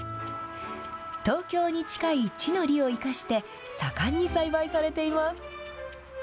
東京に近い地の利を生かして、盛んに栽培されています。